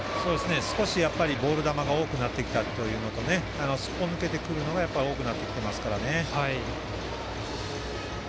少しボール球が多くなってきたのとすっぽ抜けてくるのが多くなってきていますからね。